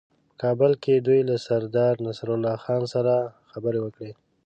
په کابل کې دوی له سردارنصرالله خان سره خبرې وکړې.